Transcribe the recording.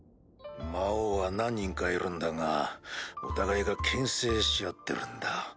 魔王は何人かいるんだがお互いがけん制し合ってるんだ。